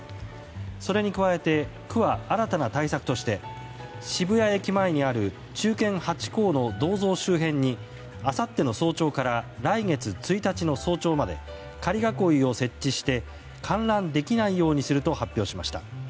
それに加えて区は新たな対策として渋谷駅前にある忠犬ハチ公の銅像周辺にあさっての早朝から来月１日の早朝にかけて仮囲いを設置して観覧できないようにすると発表しました。